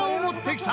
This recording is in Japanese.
「きた！」